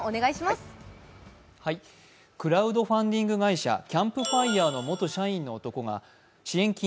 クラウドファンディング会社キャンプファイヤーの元会社の男が、支援金